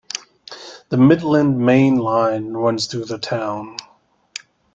The Midland Main Line runs through the town.